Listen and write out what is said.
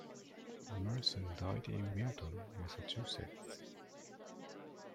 Emerson died in Milton, Massachusetts.